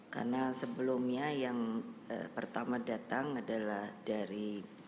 karena sebelumnya yang pertama datang adalah dari